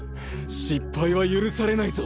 失敗は許されないぞ。